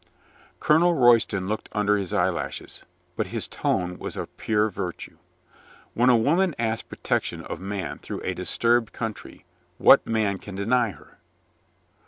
Colonel Royston looked under his eyelashes. But his tone was of pure virtue : "When a woman asks protection of man through a disturbed country, what man can deny her?"